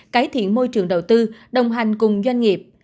cải thiện môi trường đầu tư đồng hành cùng doanh nghiệp